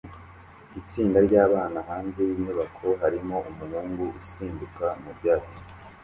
Itsinda ryabana hanze yinyubako harimo umuhungu usimbuka mubyatsi